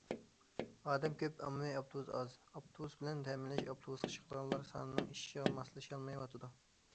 ئادەم كۆپ، ئاممىۋى ئاپتوبۇس ئاز، ئاپتوبۇس بىلەن تەمىنلەش ئاپتوبۇسقا چىقىدىغانلار سانىنىڭ ئېشىشىغا ماسلىشالمايۋاتىدۇ.